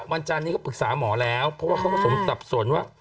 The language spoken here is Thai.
วันจานนี้เขาปรึกษาหมอแล้วเพราะว่าเขาก็สมศัพท์ส่วนว่า